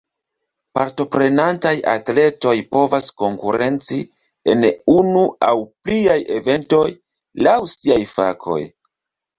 Partoprenantaj atletoj povas konkurenci en unu aŭ pliaj eventoj, laŭ siaj fakoj.